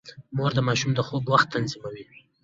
مور د ماشوم د خوب وخت تنظيموي.